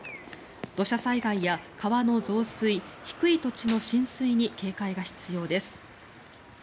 土砂災害や川の増水低い土地の浸水に警戒が必要です。